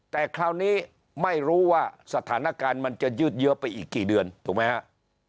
แต่คราวนี้ไม่รู้ว่าสถานการณ์มันจะยืดเยอะไปอีกกี่เดือนถูกไหมฮะ